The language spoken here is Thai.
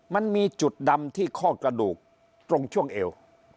มันมีจุดดำที่ข้อกระดูกตรงช่วงเอว